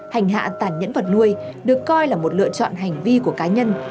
hành hạ tàn nhẫn vật nuôi được coi là một lựa chọn hành vi của cá nhân